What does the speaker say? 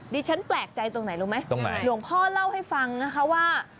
ฉันแปลกใจตรงไหนรู้ไหมตรงไหนหลวงพ่อเล่าให้ฟังนะคะว่า